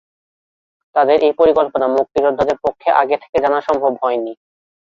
তাদের এই পরিকল্পনা মুক্তিযোদ্ধাদের পক্ষে আগে থেকে জানা সম্ভব হয়নি।